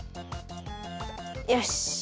よし。